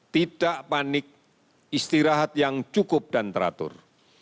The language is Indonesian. tidak panik istirahat yang cukup dan teratur